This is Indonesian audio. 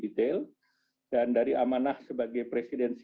detail dan dari amanah sebagai presidensi